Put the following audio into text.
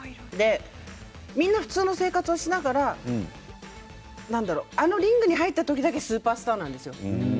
みんな普通の生活をしながらあのリングに入った時だけスーパースターなんですよ。